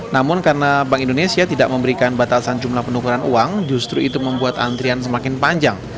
namun karena bank indonesia tidak memberikan batasan jumlah penukaran uang justru itu membuat antrian semakin panjang